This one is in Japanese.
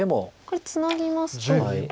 これツナぎますと。